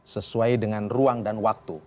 sesuai dengan ruang dan waktu